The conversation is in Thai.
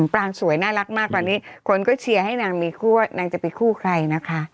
ปรางสวยน่ารักมากตอนนี้คนก็เชียร์ให้นางมีคู่ว่านางจะไปคู่ใครนะคะ